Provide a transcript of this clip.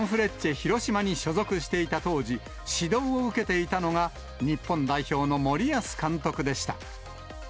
広島に所属していた当時、指導を受けていたのが、日本代表の森保監督でした。